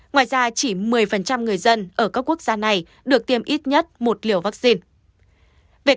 ngoài ra chỉ một mươi người dân ở các quốc gia này được tiêm ít nhất một liều vaccine